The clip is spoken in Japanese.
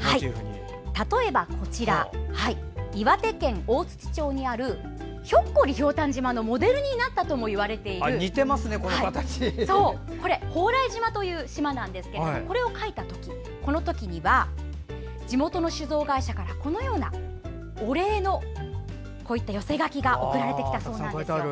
例えば、こちら岩手県大槌町にある「ひょっこりひょうたん島」のモデルになったともいわれている蓬莱島を描いたんですけどこれを描いた時には地元の酒造会社からこのようなお礼の寄せ書きが送られてきたそうです。